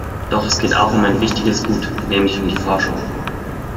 Doch es geht auch um ein wichtiges Gut, nämlich um die Forschung.